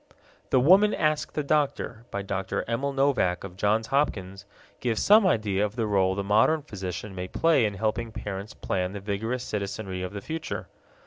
The Woman Asks the Doctor, by Dr. Emil Novak of Johns Hopkins, gives some idea of the role the modern physician may play in helping parents plan the vigorous citizenry of the future.